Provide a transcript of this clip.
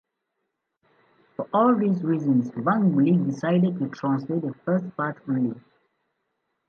For all these reasons Van Gulik decided to translate the first part only.